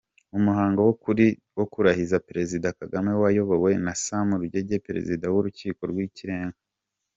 Umuhango wo kurahiza Perezida Kagame wayobowe na Sam Rugege Perezida w’Urukiko rw’ikirenga.